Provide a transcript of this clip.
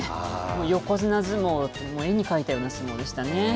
横綱相撲を絵に描いたような相撲でしたね。